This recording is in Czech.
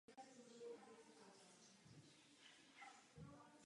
Viz také přehled a popis matematických schopností.